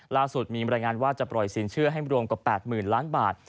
ล่าสุดมีบรรยายงานว่าจะปล่อยสินเชื่อให้รวมกว่า๘๐๐๐ล้านบาท